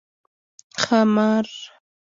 🐉ښامار